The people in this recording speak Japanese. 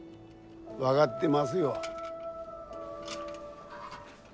分がってますよ。